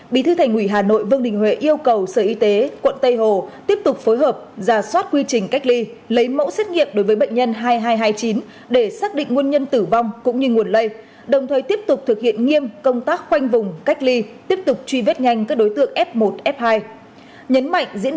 bí thư thành ủy hà nội vương đình huệ yêu cầu sở y tế quận tây hồ tiếp tục phối hợp giả soát quy trình cách ly lấy mẫu xét nghiệm đối với bệnh nhân hai nghìn hai trăm hai mươi chín để xác định nguồn nhân tử vong cũng như nguồn lây đồng thời tiếp tục thực hiện nghiêm công tác khoanh vùng cách ly tiếp tục truy vết nhanh các đối tượng f một f hai